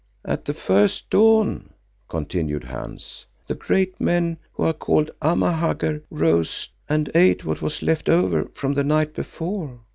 "At the first dawn," continued Hans, "the great men who are called Amahagger rose and ate what was left over from the night before.